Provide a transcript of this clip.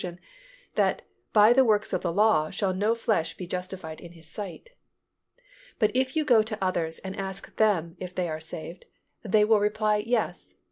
that "By the works of the law shall no flesh be justified in His sight." But if you go to others and ask them if they are saved, they will reply "Yes."